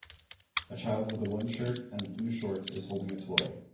A child with a one shirt and blue shorts is holding a toy.